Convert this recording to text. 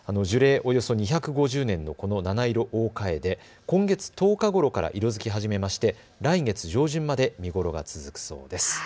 およそ２５０年の七色大カエデ、今月１０日ごろから色づき始めて来月上旬ごろまで見頃が続きます。